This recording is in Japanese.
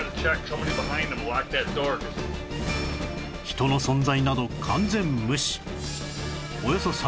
人の存在など完全無視